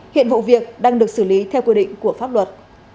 hiện vụ việc đang được xử lý theo quy định của pháp luật